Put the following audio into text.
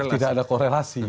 tidak ada korelasi